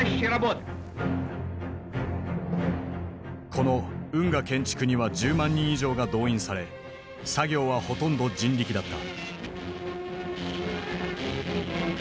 この運河建築には１０万人以上が動員され作業はほとんど人力だった。